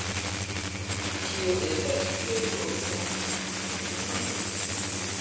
Kio estas filozofo? mi demandis.